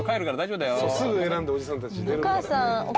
すぐ選んでおじさんたち出るから。